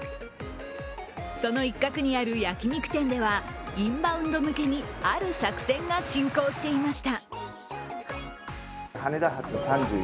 その一角にある焼き肉店ではインバウンド向けにある作戦が進行していました。